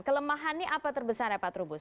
kelemahan ini apa terbesarnya pak trubus